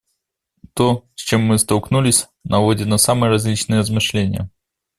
То, с чем мы столкнулись, наводит на самые различные размышления.